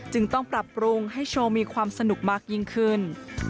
ต้องปรับปรุงให้โชว์มีความสนุกมากยิ่งขึ้น